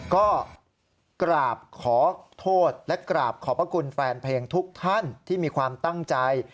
ก็กราบขอโทษและกราบขอบพระคุณแฟนเพลงทุกท่านที่มีความตั้งใจ